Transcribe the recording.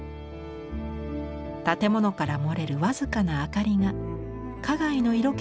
建物から漏れる僅かな明かりが花街の色気を漂わせます。